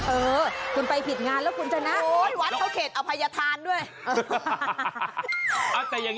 เออคุณไปผิดงานแล้วคุณชนะโอ้ยวัดเขาเขตอภัยธานด้วย